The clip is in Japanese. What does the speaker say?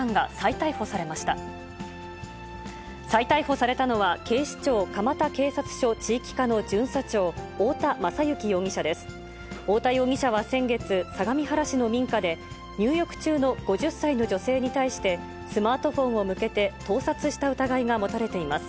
太田容疑者は先月、相模原市の民家で、入浴中の５０歳の女性に対して、スマートフォンを向けて盗撮した疑いが持たれています。